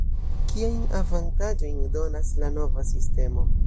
Kiajn avantaĝojn donas la nova sistemo?